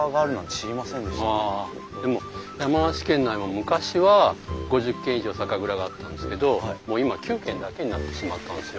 でも山梨県内も昔は５０軒以上酒蔵があったんですけどもう今は９軒だけになってしまったんですよ。